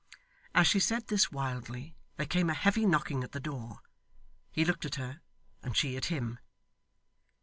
As she said this wildly, there came a heavy knocking at the door. He looked at her, and she at him.